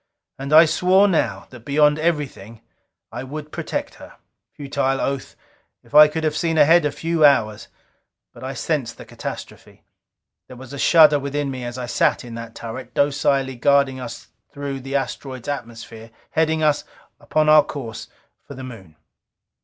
And I swore now, that beyond everything, I would protect her. Futile oath! If I could have seen ahead a few hours! But I sensed the catastrophe. There was a shudder within me as I sat in that turret, docilely guiding us out through the asteroid's atmosphere, heading us upon our course for the Moon.